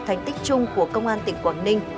thành tích chung của công an tỉnh quảng ninh